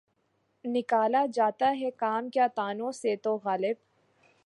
نکالا چاہتا ہے کام کیا طعنوں سے تو؟ غالبؔ!